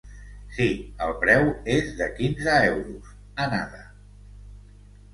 Sí, el preu és de quinze euros, anada.